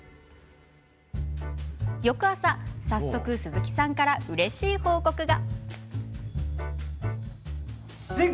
翌朝、早速鈴木さんからうれしい報告が。